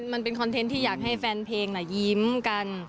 มันเป็นคอนเทนต์ที่อยากให้แฟนเพลงยิ้มกัน